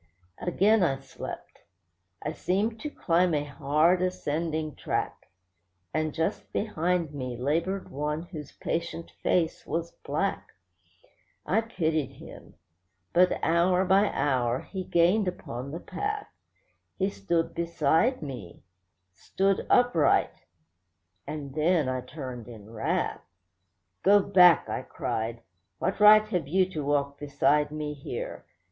Again I slept. I seemed to climb a hard, ascending track; And just behind me laboured one whose patient face was black. I pitied him; but hour by hour he gained upon the path; He stood beside me, stood upright—and then I turned in wrath. 'Go back!' I cried. 'What right have you to walk beside me here?